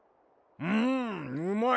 んうまい。